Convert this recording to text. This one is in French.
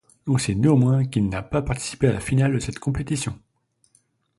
L'on sait, néanmoins, qu'il n'a pas participé à la finale de cette compétition.